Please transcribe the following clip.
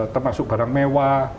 termasuk barang mewah